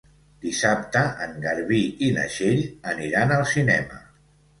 Dissabte en Garbí i na Txell aniran al cinema.